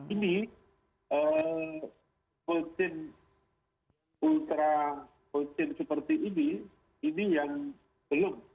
ini posin ultra posin seperti ini ini yang belum